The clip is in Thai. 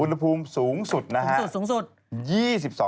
อุณหภูมิสูงสุดนะครับ